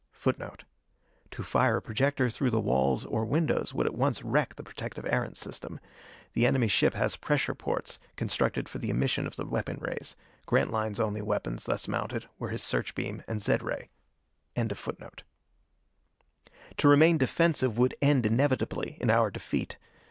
[Footnote 1: To fire a projector through the walls or windows would at once wreck the protective Erentz system. The enemy ship has pressure portes, constructed for the emission of the weapon rays. Grantline's only weapons thus mounted were his search beam and zed ray.] To remain defensive would end inevitably in our defeat.